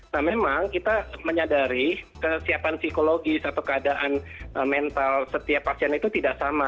nah memang kita menyadari kesiapan psikologis atau keadaan mental setiap pasien itu tidak sama